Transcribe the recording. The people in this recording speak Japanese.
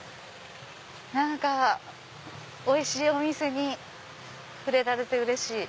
何かおいしいお店に触れられてうれしい！